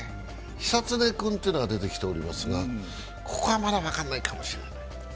久常君というのが出てきていますがここはまだ分かんないかもしれない。